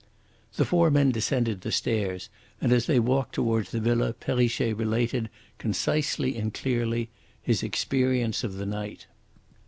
The four men descended the stairs, and as they walked towards the villa Perrichet related, concisely and clearly, his experience of the night.